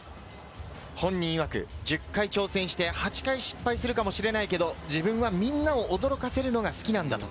本人いわく、１０回挑戦して８回失敗するかもしれないけど、自分はみんなを驚かせるのが好きなんだと。